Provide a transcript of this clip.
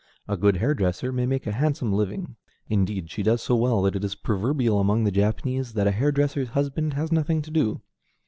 A good hair dresser may make a handsome living; indeed, she does so well that it is proverbial among the Japanese that a hair dresser's husband has nothing to do.